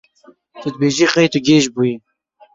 Tu dibêjî qey tu gêj bûyî.